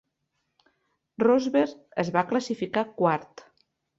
Rosberg es va classificar quart.